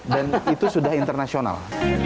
dan itu sudah internasional